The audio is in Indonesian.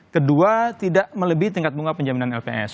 kedua tidak melebih tingkat bunga penjaminan lps